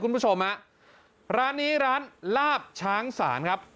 คุณผู้ชมฮะร้านนี้ร้านลาบช้างศาลครับ